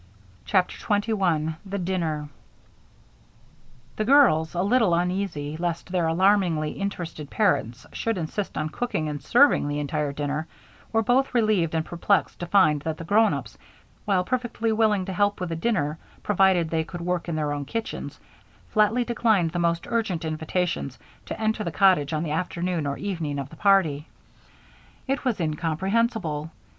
CHAPTER 21 The Dinner The girls, a little uneasy lest their alarmingly interested parents should insist on cooking and serving the entire dinner, were both relieved and perplexed to find that the grown ups, while perfectly willing to help with the dinner provided they could work in their own kitchens, flatly declined the most urgent invitations to enter the cottage on the afternoon or evening of the party. It was incomprehensible.